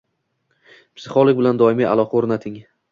Psixolog bilan doimiy aloqa o‘rnating